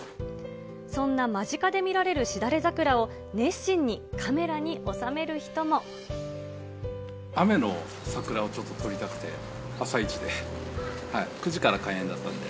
そんな間近で見られるしだれ雨の桜をちょっと撮りたくて、朝一で９時から開園だったんで。